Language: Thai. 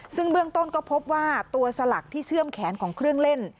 ซึ่งเบื้องต้นก็พบว่าตัวสลักที่เชื่อมแขนของเครื่องเล่น